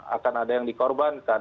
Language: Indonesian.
akan ada yang dikorbankan